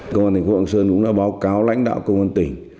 công an thành phố lạng sơn cũng đã báo cáo lãnh đạo công an tỉnh